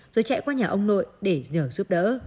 rồi chạy qua nhà ông nội để rửa rửa